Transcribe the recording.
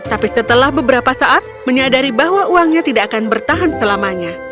tapi setelah beberapa saat menyadari bahwa uangnya tidak akan bertahan selamanya